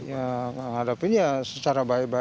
ya menghadapinya secara baik baik